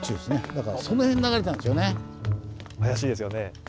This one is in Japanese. だからその辺流れてたんですよね。